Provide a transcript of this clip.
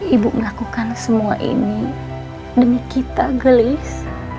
ibu melakukan semua ini demi kita gelis